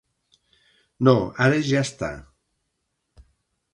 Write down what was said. No, ara ja està.